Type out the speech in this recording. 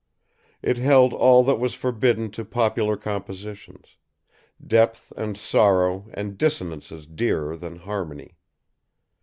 It held all that was forbidden to popular compositions; depth and sorrow and dissonances dearer than harmony.